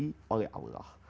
yang diridoy oleh allah